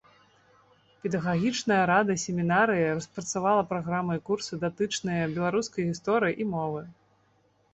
Педагагічная рада семінарыі распрацавала праграмы і курсы датычныя беларускай гісторыі і мовы.